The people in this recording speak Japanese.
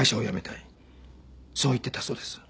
そう言ってたそうです。